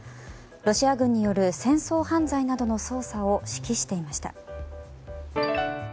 ロシア軍による戦争犯罪などの捜査を指揮していました。